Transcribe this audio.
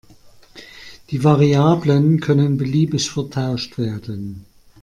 Die Variablen können beliebig vertauscht werden.